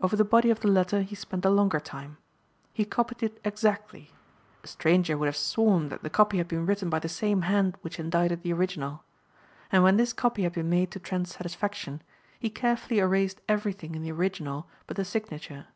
Over the body of the letter he spent a long time. He copied it exactly. A stranger would have sworn that the copy had been written by the same hand which indited the original. And when this copy had been made to Trent's satisfaction, he carefully erased everything in the original but the signature.